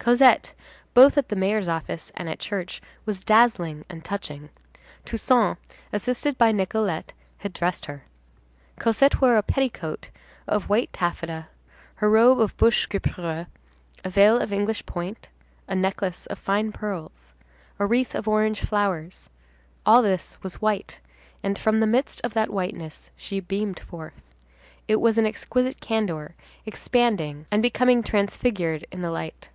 Cosette, both at the mayor's office and at church, was dazzling and touching. Toussaint, assisted by Nicolette, had dressed her. Cosette wore over a petticoat of white taffeta, her robe of Binche guipure, a veil of English point, a necklace of fine pearls, a wreath of orange flowers; all this was white, and, from the midst of that whiteness she beamed forth. It was an exquisite candor expanding and becoming transfigured in the light.